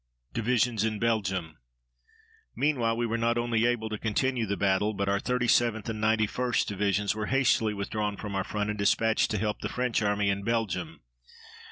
DIVISIONS IN BELGIUM Meanwhile we were not only able to continue the battle, but our 37th and 91st Divisions were hastily withdrawn from our front and dispatched to help the French Army in Belgium.